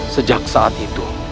sejak saat itu